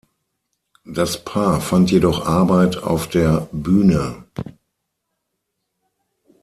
Das Paar fand jedoch Arbeit auf der Bühne.